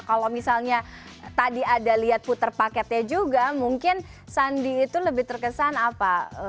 kalau misalnya tadi ada lihat puter paketnya juga mungkin sandi itu lebih terkesan apa